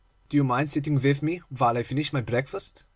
Do you mind sitting with me while I finish my breakfast?